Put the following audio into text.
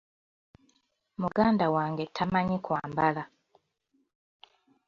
Muganda wange tamanyi kwambala.